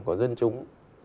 của dân chúng